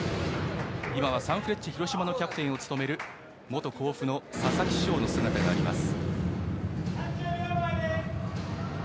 今はサンフレッチェ広島のキャプテンを務める元甲府の佐々木翔の姿もあります。